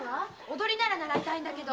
踊りなら習いたいんだけど。